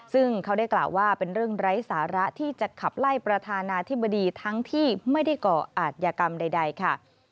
ซึ่งเขาได้กล่าวว่าเป็นเรื่องไร้สาระที่จะขับไล่ประธานาธิบดีทั้งที่ไม่ได้ก่ออาจยากรรมใดค่ะ